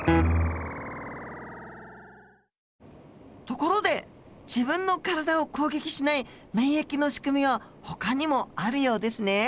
ところで自分の体を攻撃しない免疫のしくみはほかにもあるようですね。